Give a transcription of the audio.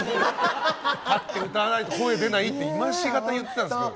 立って歌わないと声出ないって今しがた、言ってたんですけど。